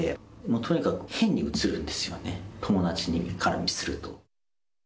とにかく変に映るんですよね、友達からすると。